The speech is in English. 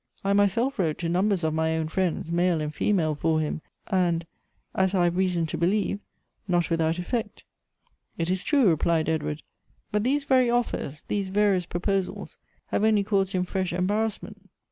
I myself wrote to numbers of my own friends, male and female, for him ; and, as I have reason to believe, not without effect." " It is true," replied Edward ; but these very offers — these various proposals — have only caused him fresh em barrassment.